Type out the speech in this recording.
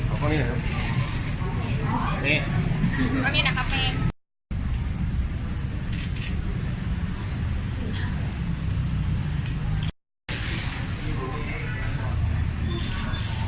สวัสดีครับทุกคน